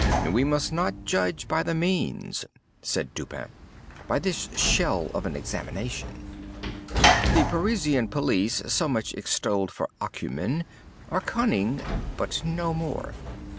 "We must not judge of the means," said Dupin, "by this shell of an examination. The Parisian police, so much extolled for acumen, are cunning, but no more.